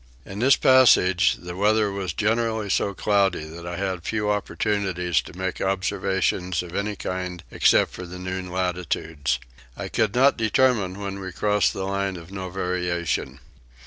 In this passage the weather was generally so cloudy that I had few opportunities to make observations of any kind except for the noon latitudes. I could not determine when we crossed the line of no variation.